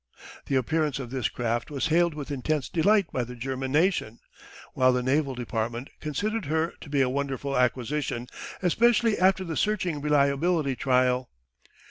The appearance of this craft was hailed with intense delight by the German nation, while the naval department considered her to be a wonderful acquisition, especially after the searching reliability trial.